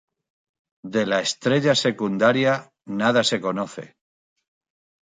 De la estrella secundaria nada se conoce.